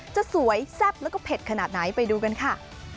จะสวยแซ่บแล้วก็เผ็ดขนาดไหนไปดูกันค่ะ